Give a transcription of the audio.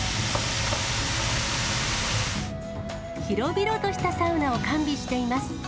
広々としたサウナを完備しています。